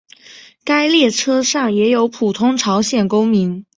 该列车上也有普通朝鲜公民。